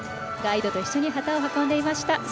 ガイドと一緒に旗を運んでいました。